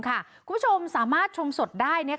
คุณผู้ชมสามารถชมสดได้